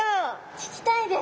聞きたいです。